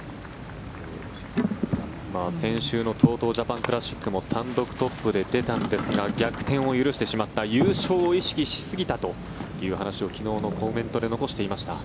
先週のＴＯＴＯジャパンクラシックも単独トップで出たんですが逆転を許してしまった優勝を意識しすぎたという話を昨日のコメントで残していました。